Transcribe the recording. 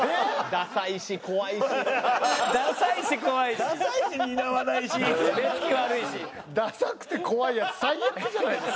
ダサくて怖いヤツ最悪じゃないですか。